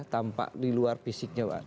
tanpa diluar fisiknya pak